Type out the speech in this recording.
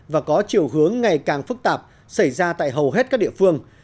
và có chiều hướng ngày càng phức tạp xảy ra tại hầu hết các địa phương